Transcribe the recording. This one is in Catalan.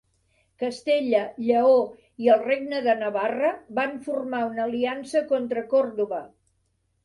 Castella, Lleó i el regne de Navarra van formar una aliança contra Còrdova.